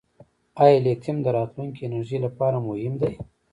آیا لیتیم د راتلونکي انرژۍ لپاره مهم دی؟